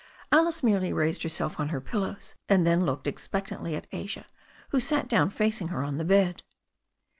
Alice merely raised herself on her pillows, and then looked expectantly at Asia, who sat down facing her on the bed.